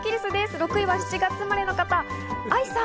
６位は７月生まれの方、愛さん。